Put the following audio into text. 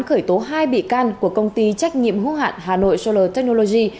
khởi tố hai bị can của công ty trách nhiệm hữu hạn hà nội solar technology